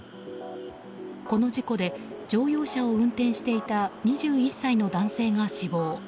この事故で乗用車を運転していた２１歳の男性が死亡。